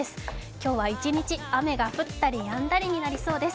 今日は一日、雨が降ったりやんだりになりそうです。